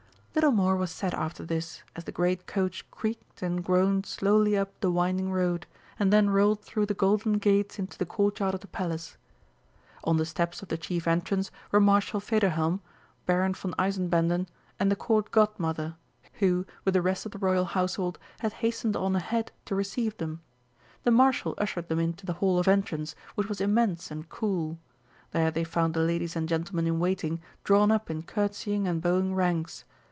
Little more was said after this, as the great coach creaked and groaned slowly up the winding road, and then rolled through the golden gates into the courtyard of the Palace. On the steps of the chief entrance were Marshal Federhelm, Baron von Eisenbänden, and the Court Godmother, who, with the rest of the Royal household, had hastened on ahead to receive them. The Marshal ushered them into the Hall of Entrance, which was immense and cool. There they found the ladies and gentlemen in waiting drawn up in curtseying and bowing ranks.